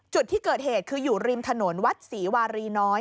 จุดที่เกิดเหตุคืออยู่ริมถนนวัดศรีวารีน้อย